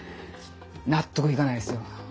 納得いかないですよ。